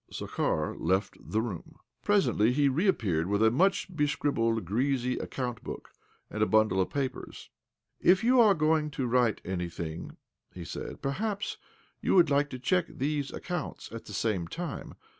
Zakhar left the room. Presently he re OBLOMOV 2 1 appeared with a much bescribbled, greasy account book and a bundle of papers. "If you are going to write anything," he said, " perhaps you would like to check these accounts at the same time?